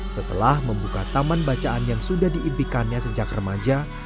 setelah membuka taman bacaan yang sudah diimpikannya sejak remaja